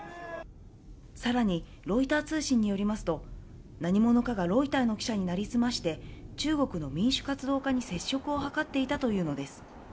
さらにロイター通信によりますと、何者かがロイターの記者に成り済まして、中国の民主活動家に接触を図っていたというのです。